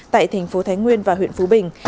tại thành phố thái nguyên và huyện phú bình